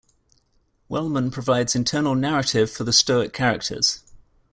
Wellman provides internal narrative for the stoic characters.